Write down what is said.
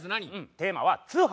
テーマは「通販」。